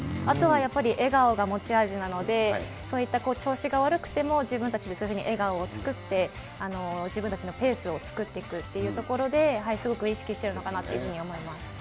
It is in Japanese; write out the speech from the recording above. あとはやっぱり、笑顔が持ち味なので、そういった調子が悪くても、自分たちで笑顔を作って、自分たちのペースを作っていくというところで、すごく意識してるのかなというふうに思います。